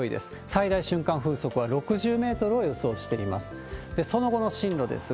最大瞬間風速は６０メートルを予想しています。